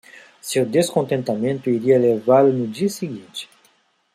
Seu descontentamento iria levá-lo no dia seguinte.